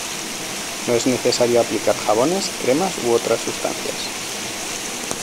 No es necesario aplicar jabones, cremas u otras sustancias.